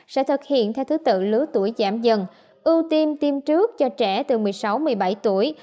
sẽ thực hiện theo thứ tự lứa tuổi giảm dần ưu tiên tiêm trước cho trẻ từ một mươi sáu một mươi bảy tuổi